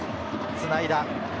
つないだ。